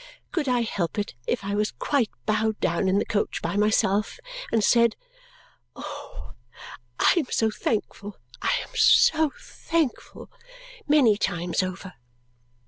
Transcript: could I help it if I was quite bowed down in the coach by myself and said "Oh, I am so thankful, I am so thankful!" many times over!